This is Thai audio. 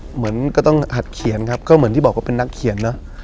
เหมือนก็ต้องหัดเขียนครับก็เหมือนที่บอกว่าเป็นนักเขียนเนอะ